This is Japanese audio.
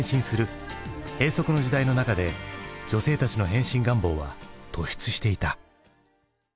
閉塞の時代の中で女性たちの変身願望は突出していた。